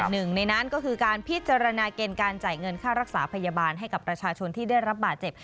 หนึ่งในนั้นก็คือการพิจารณาเกณฑ์การจ่ายเงินค่ารักษาพยาบาลให้กับประชาชนที่ได้รับบาดเจ็บ